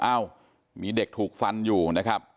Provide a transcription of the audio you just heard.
เอ้ามีเด็กถูกฟันอยู่นะครับ